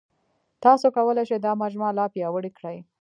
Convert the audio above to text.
تاسو کولای شئ دا مجموعه لا پیاوړې کړئ.